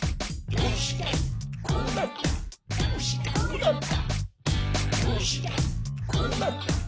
どうしてこうなった？」